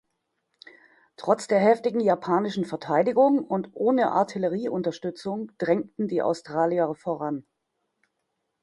Trotz der heftigen japanischen Verteidigung und ohne Artillerieunterstützung drängten die Australier voran.